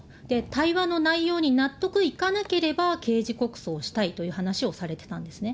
対話の内容に納得いかなければ、刑事告訴をしたいという話をされてたんですね。